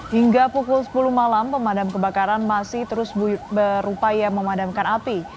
hingga pukul sepuluh malam pemadam kebakaran masih terus berupaya memadamkan api